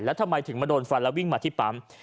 แล้วทำไมถึงมาโดนฟันแล้ววิ่งมาที่ปั๊ม